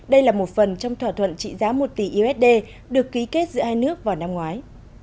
đây là một phần trong thỏa thuận trị giá một tỷ usd được ký kết giữa hai nước vào năm ngoái